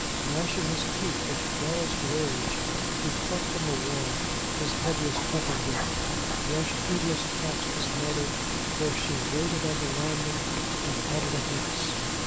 Gnashing his teeth with fellest rage, he caught from the wall his heaviest hunting whip, rushed heedless past his mother where she waited on the landing, and out of the house.